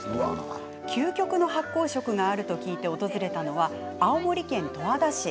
究極の発酵食があると聞いて訪れたのは、青森県十和田市。